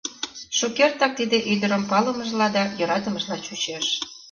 Шукертак тиде ӱдырым палымыжла да йӧратымыжла чучеш.